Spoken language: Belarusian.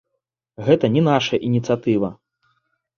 Гэта не нашая ініцыятыва.